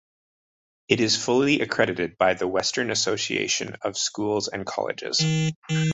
It is fully accredited by the Western Association of Schools and Colleges.